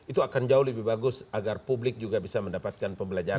itu akan jauh lebih bagus agar publik juga bisa mendapatkan pembelajaran